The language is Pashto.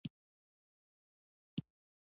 د هوګو پر هنر به هغه څوک پوهېږي چې لوستی يې وي.